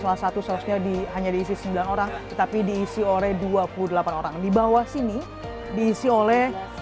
salah satu sausnya hanya diisi sembilan orang tetapi diisi oleh dua puluh delapan orang di bawah sini diisi oleh